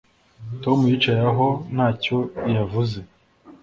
Tom yicaye aho ntacyo yavuze